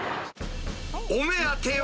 お目当ては？